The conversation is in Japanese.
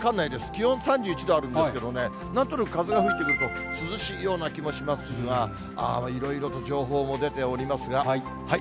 気温３１度あるんですけれどもね、なんとなく風が吹いてくると、涼しいような気もしますが、いろいろと情報も出ておりますが。